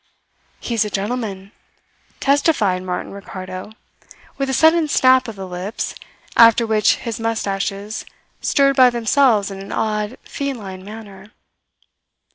"He's a gentleman," testified Martin Ricardo with a sudden snap of the lips, after which his moustaches stirred by themselves in an odd, feline manner.